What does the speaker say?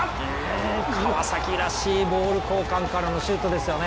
川崎らしい、ボール交換からのシュートですよね。